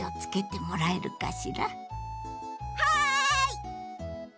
はい！